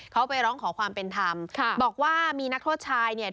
เขาไปร้องขอความเป็นธรรมค่ะบอกว่ามีนักโทษชายเนี่ย